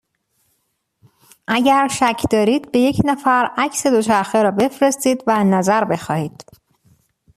اگر شک دارید به یک نفر عکس دوچرخه را بفرستید و نظر بخواهید.